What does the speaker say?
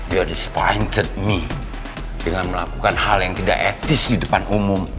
you disappointed me dengan melakukan hal yang tidak etis di depan umum